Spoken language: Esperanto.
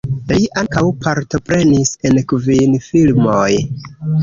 Li ankaŭ partoprenis en kvin filmoj.